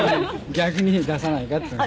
逆に出さないかっていうので」